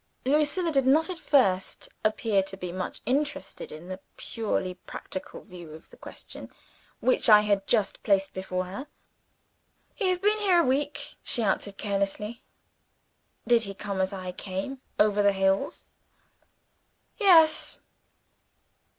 Lucilla did not, at first, appear to be much interested in the purely practical view of the question which I had just placed before her. "He has been here a week," she answered carelessly. "Did he come, as I came, over the hills?" "Yes."